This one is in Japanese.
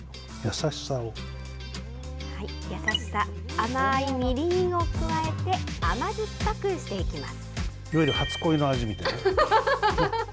甘いみりんを加えて甘酸っぱくしていきます。